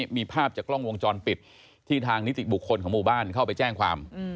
มีภาพจากกล้องวงจรปิดที่ทางนิติบุคคลของหมู่บ้านเข้าไปแจ้งความ